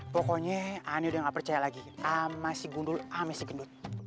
pokoknya ane udah gak percaya lagi sama si gundul sama si gendut